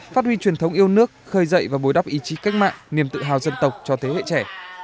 phát huy truyền thống yêu nước khơi dậy và bối đắp ý chí cách mạng niềm tự hào dân tộc cho thế hệ trẻ